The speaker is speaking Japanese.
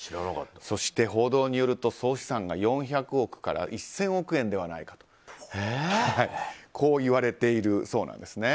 そして、報道によると総資産が４００億から１０００億円ではないかとこういわれているそうです。